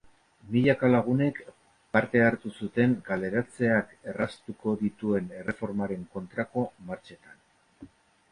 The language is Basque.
Milaka lagunek parte hartu zuten kaleratzeak erraztuko dituen erreformaren kontrako martxetan.